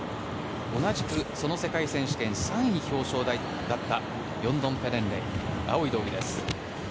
同じく世界選手権で３位表彰台だったヨンドンペレンレイ青い道着です。